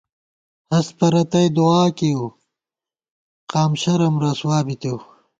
ہست پرَتئی دووا کېیؤ ، قام شرَم رسوا بِتېؤ